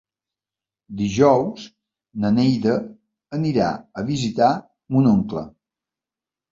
Dijous na Neida anirà a visitar mon oncle.